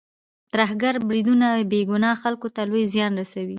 ترهګریز بریدونه بې ګناه خلکو ته لوی زیان رسوي.